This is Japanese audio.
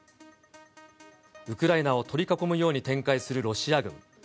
ウクライナを取り囲むように展開するロシア軍。